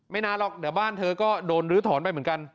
นานหรอกเดี๋ยวบ้านเธอก็โดนลื้อถอนไปเหมือนกัน